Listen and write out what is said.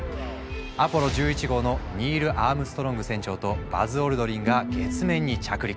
アポロ１１号のニール・アームストロング船長とバズ・オルドリンが月面に着陸。